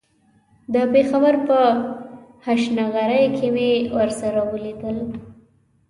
د پېښور په هشنغرۍ کې مې ورسره وليدل.